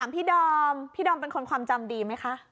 พี่ดอมพี่ดอมเป็นคนความจำดีไหมคะ